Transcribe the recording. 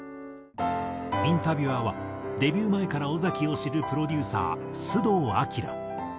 インタビュアーはデビュー前から尾崎を知るプロデューサー須藤晃。